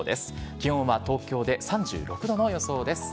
気温は東京で３６度の予想です。